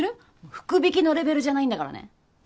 福引のレベルじゃないんだからね。